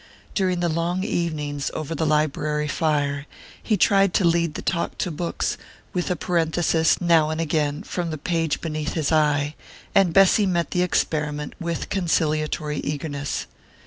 During the long evenings over the library fire he tried to lead the talk to books, with a parenthesis, now and again, from the page beneath his eye; and Bessy met the experiment with conciliatory eagerness.